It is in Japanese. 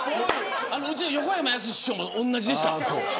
うちの横山やすし師匠も同じでした。